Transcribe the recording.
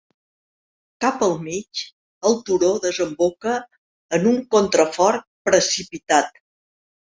Cap al mig, el turó desemboca en un contrafort precipitat.